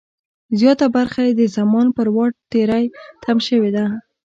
زیاته برخه یې د زمان پر واټ تری تم شوې ده.